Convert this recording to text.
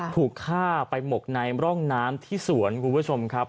ถูกฆ่าไปหมกในร่องน้ำที่สวนคุณผู้ชมครับ